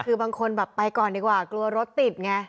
คือบางคนแบบไปก่อนดีกว่ากลัวรถติดไง